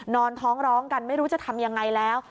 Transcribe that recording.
ท้องร้องกันไม่รู้จะทำยังไงแล้ว